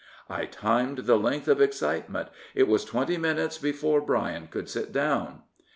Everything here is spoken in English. " I timed the length of excitement. It was twenty minutes before Bryan could sit down."